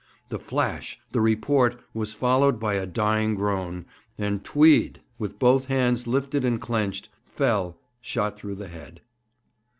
The flash, the report, was followed by a dying groan, and Tweed, with both hands lifted and clenched, fell, shot through the head.